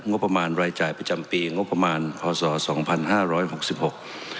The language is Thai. งบประมาณรายจ่ายประจำปีงบประมาณพศสองพันห้าร้อยหกสิบหก